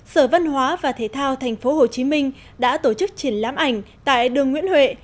sở văn hóa và thể thao tp hcm đã tổ chức triển lãm ảnh tại đường nguyễn huệ